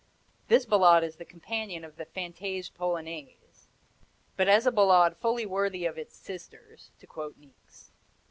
This Ballade is the companion of the Fantaisie Polonaise, but as a Ballade "fully worthy of its sisters," to quote Niecks.